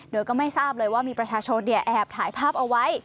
โดยก็ไม่ทราบเลยว่ามีประชาชนแอบถ่ายภาพเอาไว้